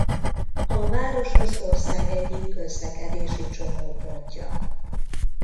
A város az ország egyik közlekedési csomópontja.